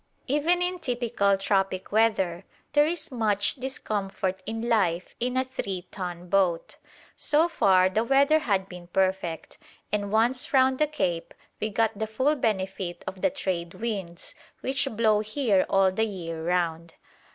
Even in typical tropic weather there is much discomfort in life in a three ton boat. So far the weather had been perfect; and once round the cape, we got the full benefit of the trade winds which blow here all the year round.